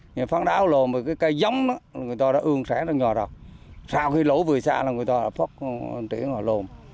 những phán đáo lồn với cái cây giống đó người ta đã ương sáng ra nhỏ rồi sau khi lỗ vừa xa là người ta đã phát triển vào lồn